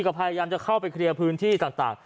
แล้วที่ความพยายามจะเข้าไปเคลียร์พื้นที่ต่าง